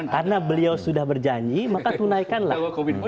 karena beliau sudah berjanji maka tunaikanlah